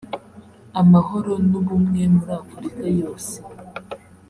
Amahoro n’ubumwe muri Afurika yose